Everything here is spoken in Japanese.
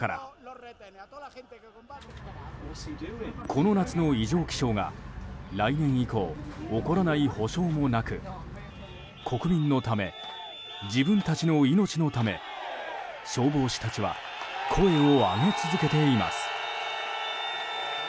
この夏の異常気象が来年以降起こらない保証もなく国民のため、自分たちの命のため消防士たちは声を上げ続けています。